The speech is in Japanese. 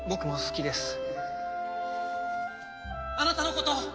あなたのこと！